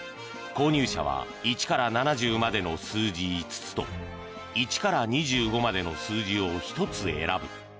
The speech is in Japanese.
購入者は１から７０までの数字５つと１から２５までの数字を１つ選ぶ。